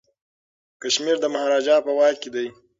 کشمیر د مهاراجا په واک کي دی.